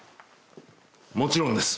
もちろんです。